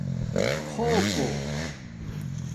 خُݸپُو